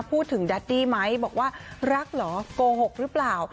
แดดดี้ไหมบอกว่ารักเหรอโกหกหรือเปล่า